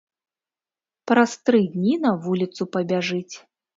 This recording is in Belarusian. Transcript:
Праз тры дні на вуліцу пабяжыць.